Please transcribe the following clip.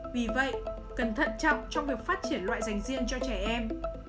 vì vậy cần thận trọng trong việc phát triển loại dành riêng cho trẻ em